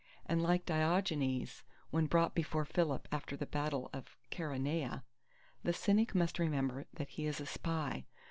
And like Diogenes when brought before Philip after the battle of Chaeronea, the Cynic must remember that he is a Spy.